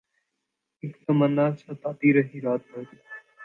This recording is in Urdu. اک تمنا ستاتی رہی رات بھر